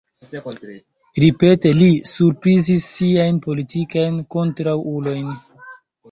Ripete li surprizis siajn politikajn kontraŭulojn.